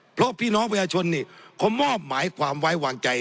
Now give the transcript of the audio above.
เพราะพี่น้องประชาชนนี่เขามอบหมายความไว้วางใจ